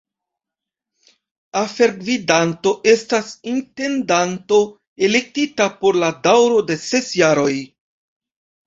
Afergvidanto estas intendanto elektita por la daŭro de ses jaroj.